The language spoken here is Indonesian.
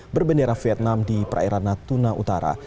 berbendera vietnam di perairan natuna utara